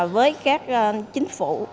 với các chính phủ